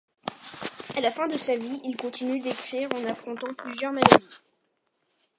À la fin de sa vie, il continue d'écrire en affrontant plusieurs maladies.